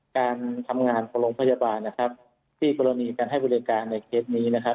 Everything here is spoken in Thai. การทำงานของโรงพยาบาลนะครับที่กรณีการให้บริการในเคสนี้นะครับ